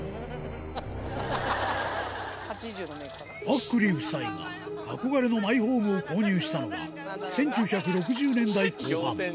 アックリー夫妻が憧れのマイホームを購入したのは１９６０年代後半『仰天』。